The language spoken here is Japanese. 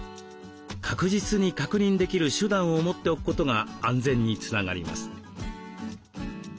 確実に確認できる手段を持っておくことが安全につながります。